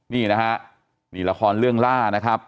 นี่นะฮะนี่ละครเรื่องล่านะครับ